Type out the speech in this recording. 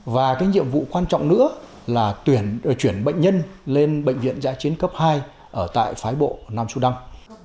và nhiệm vụ quan trọng nữa là chuyển bệnh nhân lên bệnh viện giãi chiến cấp hai ở tại phái bộ nam xu đăng